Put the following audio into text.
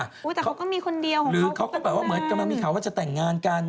แต่เขาก็มีคนเดียวเหรอหรือเขาก็แบบว่าเหมือนกำลังมีข่าวว่าจะแต่งงานกัน